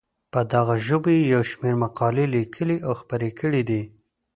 په دغو ژبو یې یو شمېر مقالې لیکلي او خپرې کړې دي.